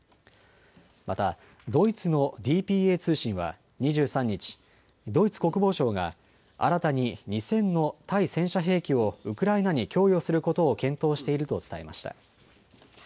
またドイツのＤＰＡ通信は２３日、ドイツ国防省が新たに２０００の対戦車兵器をウクライナに供与することを検討していると伝えました。